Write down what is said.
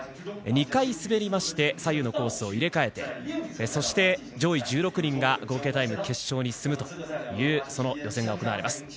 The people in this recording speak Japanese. ２回滑りまして左右のコースを入れ替えてそして、上位１６人が合計タイムで決勝に進むという予選が行われます。